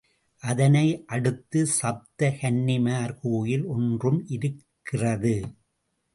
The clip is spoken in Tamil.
அதனை அடுத்து சப்த கன்னிமார் கோயில், ஒன்றும் இருக்கிறது.